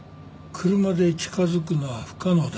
車で近づくのは不可能だ。